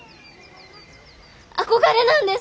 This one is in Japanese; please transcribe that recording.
憧れなんです。